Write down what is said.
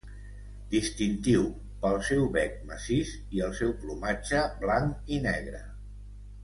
Distintiu pel seu bec massís i el seu plomatge blanc i negre.